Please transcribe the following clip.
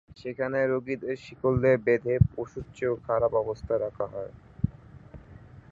সেখানে রোগিদের শিকল দিয়ে বেঁধে, পশুর চেয়েও খারাপ অবস্থায় রাখা হয়।